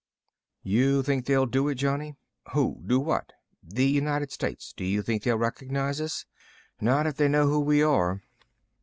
"You think they'll do it, Johnny?" "Who do what?" "The United States. Do you think they'll recognize us?" "Not if they know who we are."